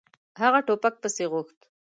هغه ټوپک پسې غوښت.